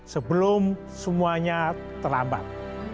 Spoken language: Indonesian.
sebelum semuanya terlambat